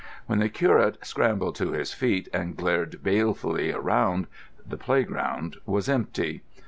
When the curate scrambled to his feet and glared balefully around, the playground was empty.